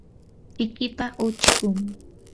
sikipa uchkun